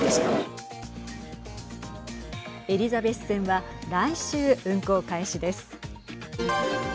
エリザベス線は来週、運行開始です。